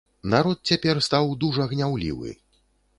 Народ цяпер стаў дужа гняўлівы.